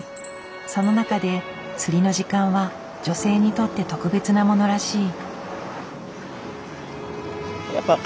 その中で釣りの時間は女性にとって特別なものらしい。